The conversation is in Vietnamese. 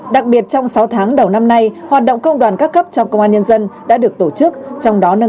đặc biệt trong sáu tháng đầu năm nay hoạt động công đoàn cấp cấp trong công an nhân dân đã được tổ chức